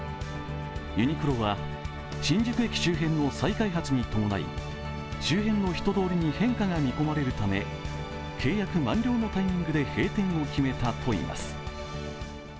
ユニクロは、新宿駅周辺の再開発に伴い周辺の人通りに変化が見込まれるため契約満了のタイミングで閉店を決めたといいます。